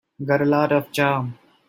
Got a lot of charm.